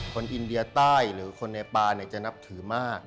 คนอินเดียใต้หรือคนเนปาเนี่ยจะนับถือมาก